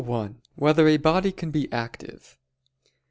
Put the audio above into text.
1] Whether a Body Can Be Active?